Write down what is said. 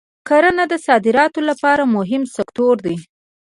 کرنه د صادراتو لپاره مهم سکتور دی.